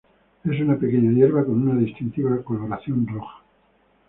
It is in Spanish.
Es una pequeña hierba con una distintiva coloración roja.